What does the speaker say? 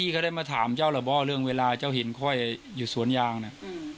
ก็ถามเจ้าแล้วบอกเรื่องเวลาเจ้าเห็นค่อยอยู่สวนยางน่ะ